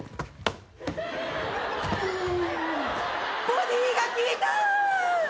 ボディーが効いた。